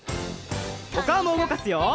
おかおもうごかすよ！